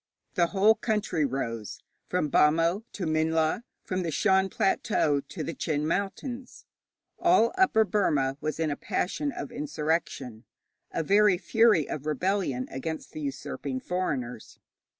The whole country rose, from Bhamo to Minhla, from the Shan Plateau to the Chin Mountains. All Upper Burma was in a passion of insurrection, a very fury of rebellion against the usurping foreigners.